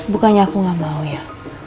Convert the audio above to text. bukannya aku nggak mau ya